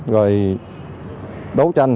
rồi đấu tranh